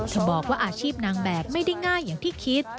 จะบอกว่าอาชีพนางแบบไม่ได้ง่ายอย่างที่คิด